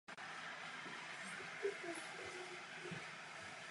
Přesto měli před začátkem šampionátu čeští reprezentanti velké naděje na medaile.